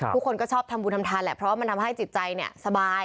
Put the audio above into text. ทุกคนก็ชอบทำบุญทำทานแหละเพราะว่ามันทำให้จิตใจสบาย